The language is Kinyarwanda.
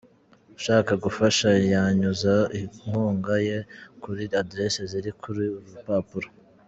Ushaka gufasha yanyuza inkunga ye kuri 'adress' ziri kuri uru rupapuro.